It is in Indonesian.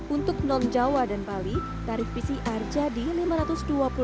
untuk non jawa dan bali tarif pcr jadi rp lima ratus dua puluh